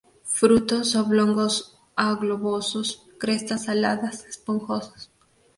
Frutos oblongos a globosos, crestas aladas, esponjosos.